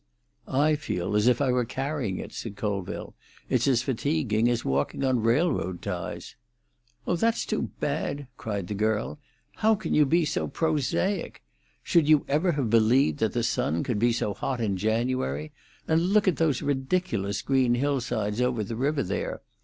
"I feel as if I were carrying it," said Colville. "It's as fatiguing as walking on railroad ties." "Oh, that's too bad!" cried the girl. "How can you be so prosaic? Should you ever have believed that the sun could be so hot in January? And look at those ridiculous green hillsides over the river there!